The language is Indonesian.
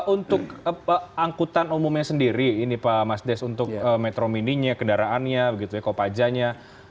untuk angkutan umumnya sendiri ini pak mas des untuk metro mininya kendaraannya kopajanya